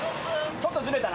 ちょっとズレた。